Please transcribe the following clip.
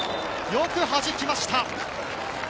よくはじきました！